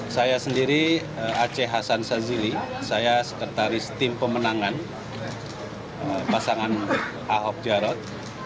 saya sendiri aceh hasan sazili saya sekretaris tim pemenangan pasangan ahok jarot